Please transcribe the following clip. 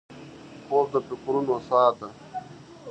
خوب د فکرونو سا ده